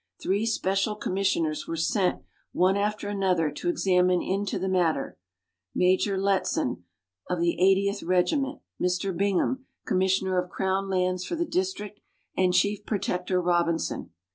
Three special commissioners were sent one after another to examine into the matter, Major Lettsom, of the 80th Regiment, Mr. Bingham, Commissioner of Crown Lands for the district, and Chief Protector Robinson.